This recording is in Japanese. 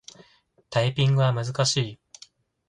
タイピングは難しい。